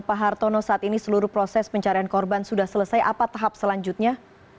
pak hartono saat ini seluruh proses pencarian korban sudah selesai apa tahap selanjutnya